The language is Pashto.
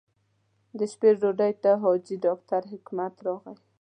د شپې ډوډۍ ته حاجي ډاکټر حکمت راغی.